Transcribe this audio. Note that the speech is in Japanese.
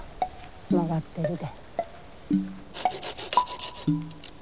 曲がってるで。